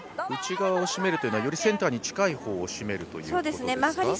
内側を締めるというのはよりセンターに近いところを締めるということですか。